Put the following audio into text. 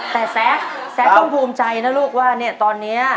แต่แซ็กแซคต้องภูมิใจนะลูกว่าเนี่ยตอนนี้